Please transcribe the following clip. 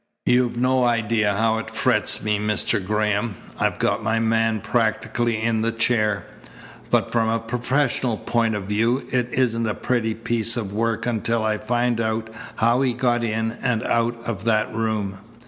You've no idea how it frets me, Mr. Graham. I've got my man practically in the chair, but from a professional point of view it isn't a pretty piece of work until I find out how he got in and out of that room.